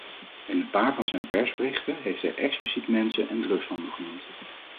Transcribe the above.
In een paar van zijn persberichten heeft hij expliciet mensen- en drugshandel genoemd.